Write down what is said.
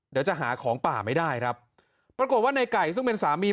เดี๋ยวจะหาของป่าไม่ได้ครับปรากฏว่าในไก่ซึ่งเป็นสามี